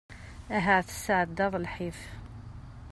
Ahat tesεeddaḍ lḥif.